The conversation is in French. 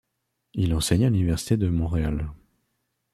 Il enseignait à l'Université de Montréal.